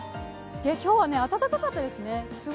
今日はね、暖かかったですね。